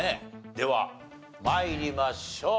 では参りましょう。